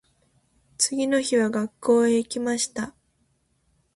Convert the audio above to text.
次の日は学校へ行きました。